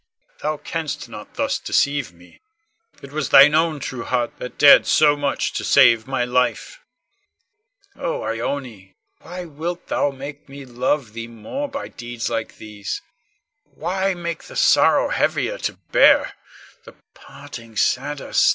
Con. Thou canst not thus deceive me. It was thine own true heart that dared so much to save my life. Oh, Ione, why wilt thou make me love thee more by deeds like these, why make the sorrow heavier to bear, the parting sadder still?